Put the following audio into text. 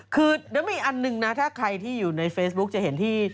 คือมีอันนึงนะถ้าใครที่อยู่ในเฟซบุ๊คจะเห็นที่